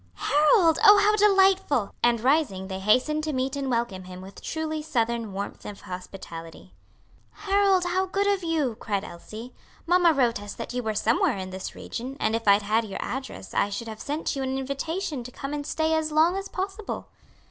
"Harold! oh, how delightful!" And rising they hastened to meet and welcome him with truly Southern warmth of hospitality. "Harold! how good of you!" cried Elsie. "Mamma wrote us that you were somewhere in this region, and if I'd had your address, I should have sent you an invitation to come and stay as long as possible."